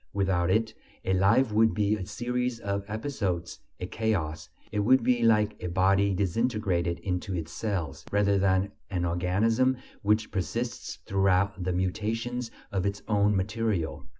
Without it, a life would be a series of episodes, a chaos; it would be like a body disintegrated into its cells, rather than an organism which persists throughout the mutations of its own material.